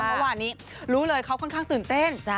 เมื่อวานนี้รู้เลยเขาค่อนข้างตื่นเต้น